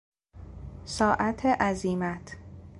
ساعت عزیمت